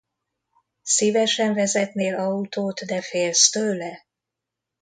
Szívesen vezetnél autót, de félsz tőle?